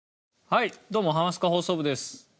はいどうも『ハマスカ放送部』です。